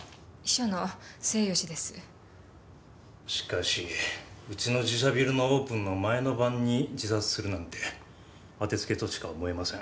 しかしうちの自社ビルのオープンの前の晩に自殺するなんて当てつけとしか思えません。